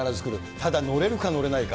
ただ乗れるか乗れないか。